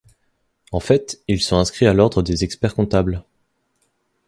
En fait, ils sont inscrits à l'ordre des experts-comptables.